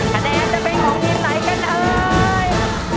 คะแนนจะเป็นของทีมไหนกันเอ่ย